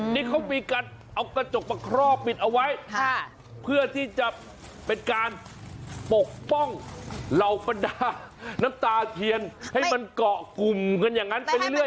นี่เขามีการเอากระจกมาครอบปิดเอาไว้เพื่อที่จะเป็นการปกป้องเหล่าบรรดาน้ำตาเทียนให้มันเกาะกลุ่มกันอย่างนั้นไปเรื่อย